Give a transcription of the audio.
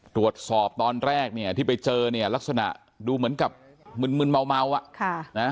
ตรวจสอบตอนแรกที่ไปเจอลักษณะดูเหมือนกับมึนเมาอะ